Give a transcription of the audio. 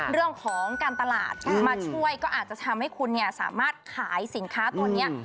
เรื่องของการตลาดมาช่วยก็อาจจะทำให้คุณสามารถขายสินค้าตัวนี้